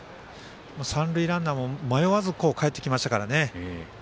三塁ランナーも迷わずかえってきましたからね。